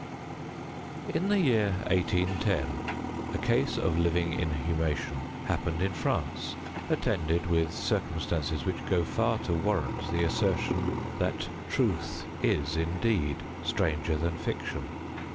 In the year 1810, a case of living inhumation happened in France, attended with circumstances which go far to warrant the assertion that truth is, indeed, stranger than fiction.